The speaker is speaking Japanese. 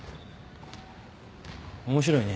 面白いね。